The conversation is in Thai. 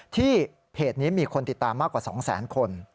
ที่เพจนี้มีคนติดตามมากกว่า๒แสนคน